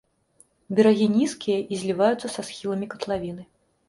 Берагі нізкія і зліваюцца са схіламі катлавіны.